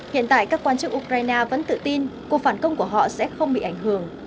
hiện tại các quan chức ukraine vẫn tự tin cuộc phản công của họ sẽ không bị ảnh hưởng